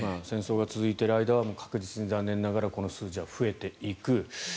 戦争が続いている間は確実に、残念ながらこの数字は増えていく。